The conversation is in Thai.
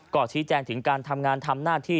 ก็ชี้แจงถึงการทำงานทำหน้าที่